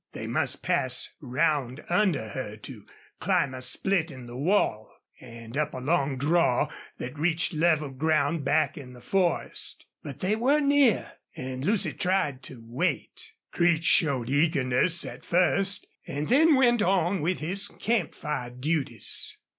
They must pass round under her to climb a split in the wall, and up a long draw that reached level ground back in the forest. But they were near, and Lucy tried to wait. Creech showed eagerness at first, and then went on with his camp fire duties.